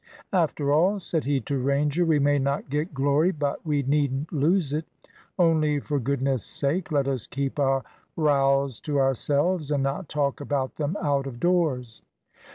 "After all," said he to Ranger, "we may not get glory, but we needn't lose it. Only, for goodness' sake, let us keep our rows to ourselves, and not talk about them out of doors."